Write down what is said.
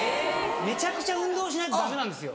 めちゃくちゃ運動しないとダメなんですよ。